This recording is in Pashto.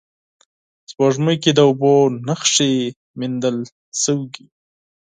سپوږمۍ کې د اوبو نخښې موندل شوې